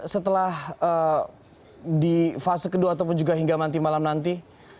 setelah di fase kedua ataupun juga hingga nanti malam nanti